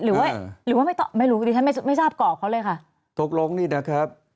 หรือว่าหรือว่าไม่ตอบไม่รู้ดิฉันไม่ไม่ทราบกรอบเขาเลยค่ะตกลงนี่นะครับ